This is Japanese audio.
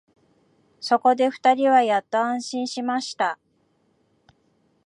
そこで二人はやっと安心しました